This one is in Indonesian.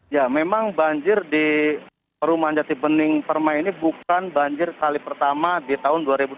ya memang banjir di perumahan jati bening permai ini bukan banjir kali pertama di tahun dua ribu dua puluh